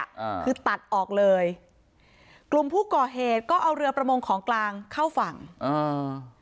อ่าคือตัดออกเลยกลุ่มผู้ก่อเหตุก็เอาเรือประมงของกลางเข้าฝั่งอ่า